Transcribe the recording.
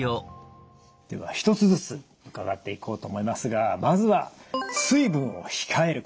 では一つずつ伺っていこうと思いますがまずは水分を控える。